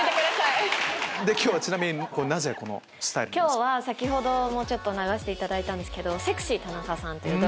今日は先ほども流していただいたんですけど。